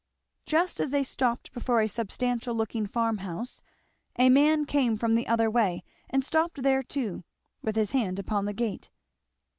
Just as they stopped before a substantial looking farm house a man came from the other way and stopped there too, with his hand upon the gate.